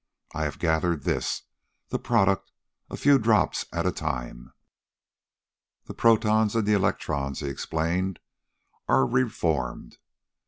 I have gathered this, the product, a few drops at a time. "The protons and the electrons," he explained, "are re formed.